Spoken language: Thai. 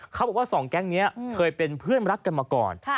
เขาบอกว่าสองแก๊งนี้เคยเป็นเพื่อนรักกันมาก่อน